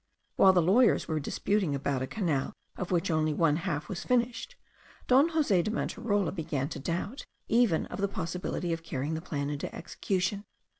While the lawyers were disputing about a canal of which only one half was finished, Don Jose de Manterola began to doubt even of the possibility of carrying the plan into execution.